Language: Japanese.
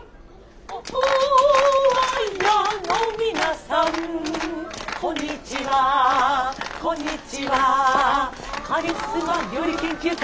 オトワヤのみなさんこんにちはこんにちはカリスマ料理研究家